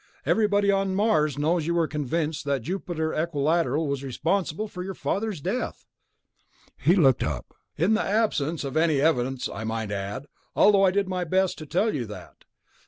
Everybody on Mars knows you were convinced that Jupiter Equilateral was responsible for your father's death." He looked up. "In the absence of any evidence, I might add, although I did my best to tell you that."